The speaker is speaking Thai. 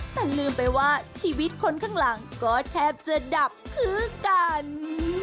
แต่ลืมไปว่าชีวิตคนข้างหลังก็แทบจะดับคือกัน